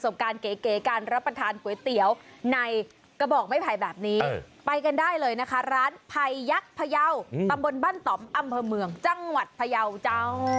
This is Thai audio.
พาร้านไพยักษ์พะเยาตำบลบ้านตอมอำเภอเมืองจังหวัดพะเยาจ้าว